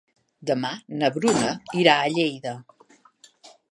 Demà na Bruna irà a Lleida.